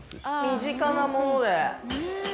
身近なもので。